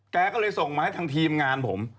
แกก็เลยส่งมาให้ทางทีมงานผม